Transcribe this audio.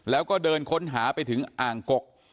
แล้วก็เดินค้นหาไปถึงอ่างกก